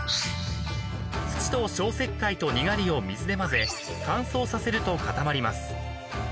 ［土と消石灰とにがりを水で混ぜ乾燥させると固まります］